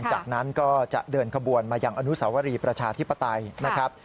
จากนั้นจะเดินขบวนหรืออณูสาวรีประชาธิปไตร